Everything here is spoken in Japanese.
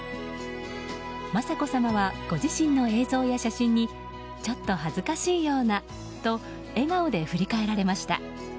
雅子さまはご自身の映像や写真にちょっと恥ずかしいようなと笑顔で振り返られました。